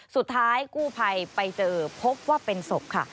สุดท้ายกู้ภัยไปเจอพบว่าเป็นศพค่ะ